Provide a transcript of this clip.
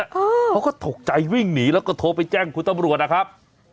เขาก็ตกใจวิ่งหนีแล้วก็โทรไปแจ้งคุณตำรวจนะครับ